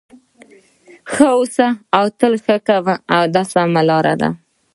ښه اوسه او تل ښه کوه دا سمه لار ده.